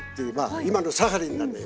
今のサハリンなんだよね。